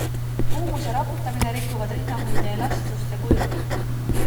Kuumus ja raputamine rikuvad rinnahoidja elastsust ja kuju.